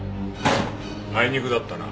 あいにくだったな。